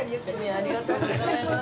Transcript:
ありがとうございます。